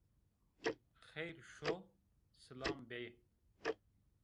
Xeyr şo, silam bê